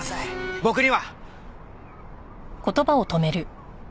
「僕には」。